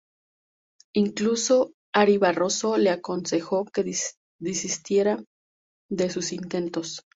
Incluso Ary Barroso le aconsejó que desistiera de sus intentos.